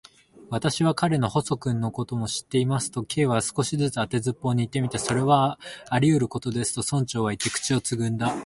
「私は彼の細君のことも知っています」と、Ｋ は少し当てずっぽうにいってみた。「それはありうることです」と、村長はいって、口をつぐんだ。